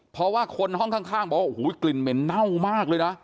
เพราะว่าคนห้องข้างบอกว่าโอ้โหกลิ่นเหม็นเน่ามากเลยนะ